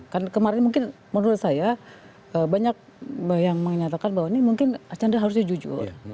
karena kemarin mungkin menurut saya banyak yang menyatakan bahwa ini mungkin asyanda harus jujur